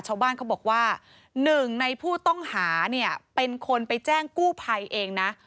ชาวบ้านเขาบอกว่าหนึ่งในผู้ต้องหาเนี่ยเป็นคนไปแจ้งกู้ภัยเองนะ